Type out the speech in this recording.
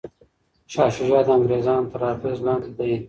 شاه شجاع د انګریزانو تر اغیز لاندې دی.